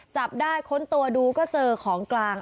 จับได้ค้นตัวดูก็เจอของกลาง